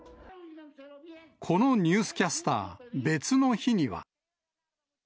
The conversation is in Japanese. このニュースキャスター、別の日には。